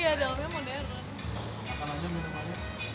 iya dalamnya modern